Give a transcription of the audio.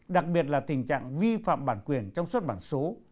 đặc biệt là tình trạng vi phạm bản quyền trong xuất bản số